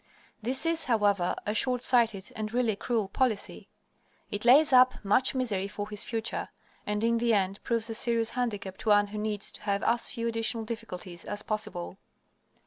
This is, however, a shortsighted, and really a cruel policy. It lays up much misery for his future, and in the end proves a serious handicap to one who needs to have as few additional difficulties as possible.